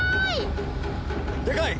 でかい！